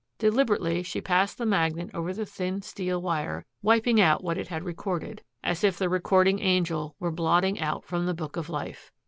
Deliberately she passed the magnet over the thin steel wire, wiping out what it had recorded, as if the recording angel were blotting out from the book of life.